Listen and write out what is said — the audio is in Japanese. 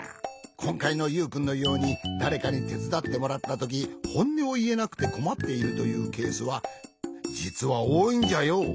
こんかいのユウくんのようにだれかにてつだってもらったときほんねをいえなくてこまっているというケースはじつはおおいんじゃよ。